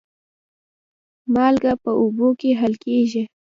مالګه په اوبو کې حل کېږي.